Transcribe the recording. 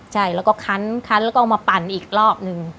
ใช่แล้วก็คันแล้วก็มาปั่นอีกรอบนึง